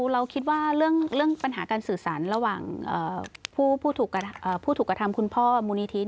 เราคิดว่าเรื่องปัญหาการสื่อสารระหว่างผู้ถูกกระทำคุณพ่อมูลนิธิ